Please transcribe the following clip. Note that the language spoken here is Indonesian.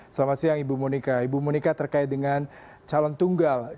selamat siang ibu monika ibu monika terkait dengan calon tunggal